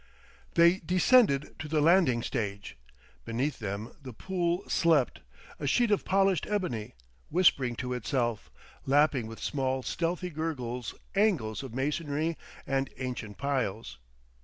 They descended to the landing stage. Beneath them the Pool slept, a sheet of polished ebony, whispering to itself, lapping with small stealthy gurgles angles of masonry and ancient piles.